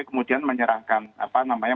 kemudian menyerahkan apa namanya